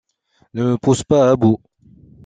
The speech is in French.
Ne me pousse pas à bout.